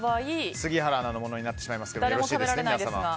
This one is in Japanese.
杉原アナのものになってしまいますけどよろしいですか？